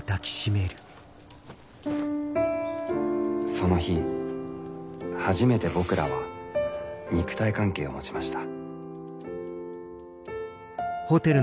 その日初めて僕らは肉体関係を持ちました。